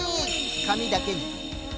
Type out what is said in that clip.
紙だけに。